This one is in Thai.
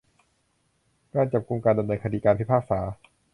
การจับกุม การดำเนินคดี การพิพากษา